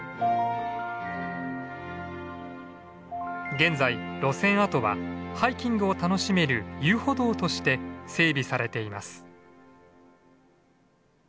現在路線跡はハイキングを楽しめる遊歩道として整備されています。